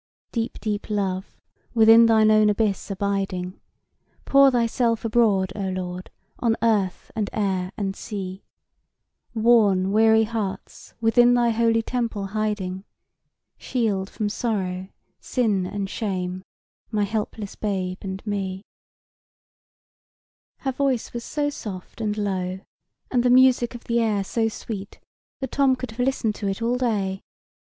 "Deep deep Love, within thine own abyss abiding, Pour Thyself abroad, O Lord, on earth and air and sea; Worn weary hearts within Thy holy temple hiding, Shield from sorrow, sin, and shame my helpless babe and me." Her voice was so soft and low, and the music of the air so sweet, that Tom could have listened to it all day.